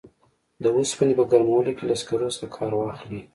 د اوسپنې په ګرمولو کې له سکرو څخه کار واخلي.